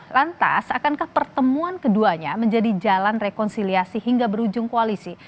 lantas akankah pertemuan keduanya menjadi jalan rekonsiliasi hingga berujung koalisi